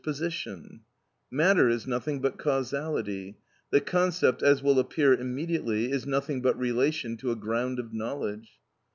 _, position; matter is nothing but causality; the concept (as will appear immediately) is nothing but relation to a ground of knowledge.